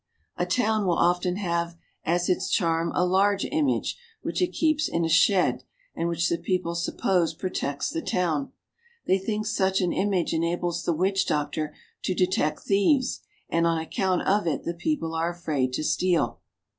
A town will often have as its charm a large image, which it keeps in a shed, and which the people suppose protects the town. They think such an image enables the witch doctor to detect thieves, and on account of it the people are afraid to steal.